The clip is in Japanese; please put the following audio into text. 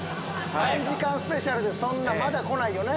３時間スペシャルでそんなまだ来ないよね。